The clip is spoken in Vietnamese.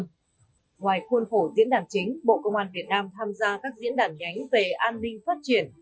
ngoài khuôn khổ diễn đàn chính bộ công an việt nam tham gia các diễn đàn nhánh về an ninh phát triển